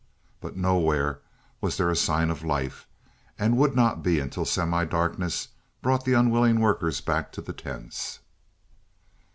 But nowhere was there a sign of life, and would not be until semidarkness brought the unwilling workers back to the tents.